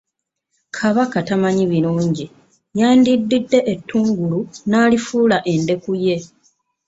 Kabaka tamanyi birungi, yandiddidde ettungulu n'alifuula endeku ye.